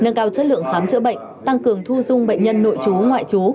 nâng cao chất lượng khám chữa bệnh tăng cường thu dung bệnh nhân nội chú ngoại chú